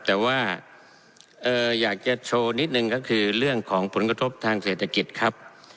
แต่ว่าอยากจะโชว์นิดนึงก็คือเรื่องของผลกระทบทางเศรษฐกิจครับ